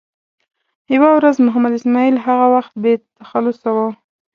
یوه ورځ محمد اسماعیل هغه وخت بې تخلصه و.